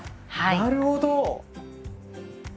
あなるほど！